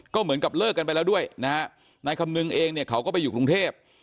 ก็เหมือนกับเลิกกันไปแล้วด้วยนะฮะนายคำนึงเองเนี่ยเขาก็ไปอยู่กรุงเทพ